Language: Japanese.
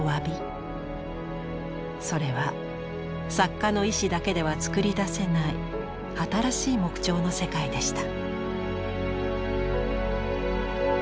それは作家の意思だけではつくり出せない新しい木彫の世界でした。